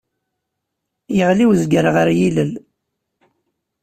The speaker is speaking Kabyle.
Yeɣli urgaz ɣer yilel!